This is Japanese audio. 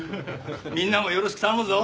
みんなもよろしく頼むぞ。